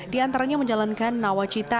di antaranya menjalankan nawacita